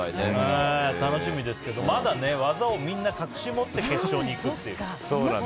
楽しみですけどまだ技をみんな隠し持って決勝に行くという。